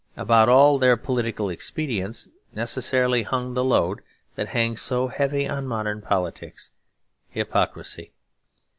About all their political expedients necessarily hung the load that hangs so heavy on modern politics; hypocrisy.